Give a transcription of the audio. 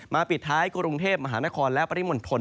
ปิดท้ายกรุงเทพมหานครและปริมณฑล